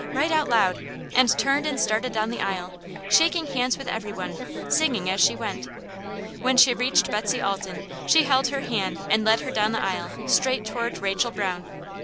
right out loud, and turned and started down the aisle, shaking hands with every one, singing as she went. When she reached Betsy Alton she held her hand and led her down the aisle straight toward Rachel Brown.